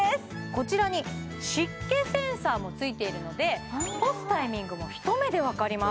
こちらに湿気センサーもついているので干すタイミングも一目でわかります